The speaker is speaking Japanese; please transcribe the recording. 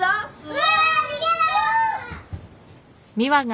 うわ逃げろ！